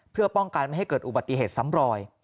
เพื่อป้องกันไม่ให้เกิดอุบัติเหตุซ้ำรอย